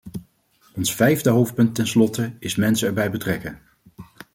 Onze vijfde hoofdpunt ten slotte is mensen erbij betrekken.